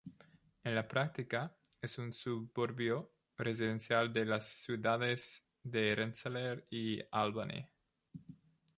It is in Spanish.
En la práctica es un suburbio residencial de las ciudades de Rensselaer y Albany.